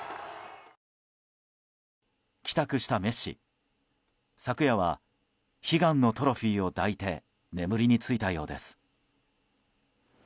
帰宅したメッシ、昨夜は悲願のトロフィーを抱いて眠りについたようです。